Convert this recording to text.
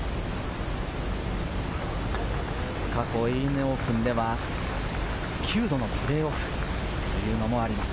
過去、ＡＮＡオープンでは、９度のプレーオフというのもあります。